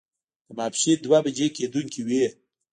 د ماسپښين دوه بجې کېدونکې وې.